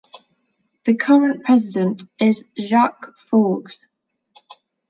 The current president is Jacques Forgues.